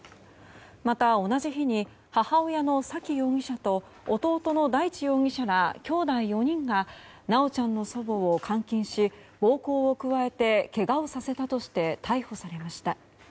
また同じ日に母親の沙喜容疑者と弟の大地容疑者らきょうだい４人が修ちゃんの祖母を監禁し暴行を加えてけがをさせたとして逮捕されました。